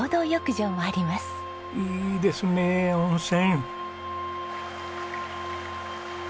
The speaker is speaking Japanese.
いいですねえ温泉。